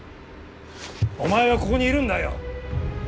お前はここにいるんだよ。